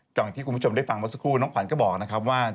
ก็หลังที่คุณผู้ชมได้ฟังมาสักครู่น้องขวัญก็บอกว่า